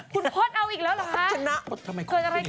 คุณโฟดเอาอีกแล้วเหรอคะเกิดอะไรขึ้นน่ะโฟดจะนะ